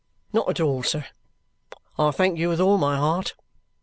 "Not at all, sir. I thank you with all my heart.